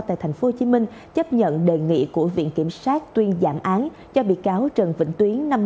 tại tp hcm chấp nhận đề nghị của viện kiểm sát tuyên giảm án cho bị cáo trần vĩnh tuyến